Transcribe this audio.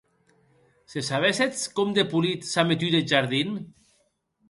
Se sabéssetz com de polit s’a metut eth jardin!